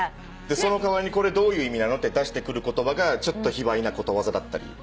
その代わりにこれどういう意味なの？って出してくる言葉がちょっと卑猥なことわざだったり。